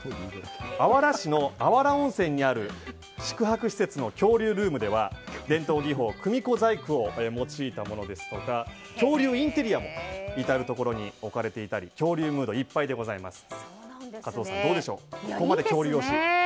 あわら市のあわら温泉にある宿泊施設の恐竜ルームでは伝統技法、組子細工を用いたものですとか恐竜のインテリアも至るところに置かれていたり恐竜ムードいっぱいでございます。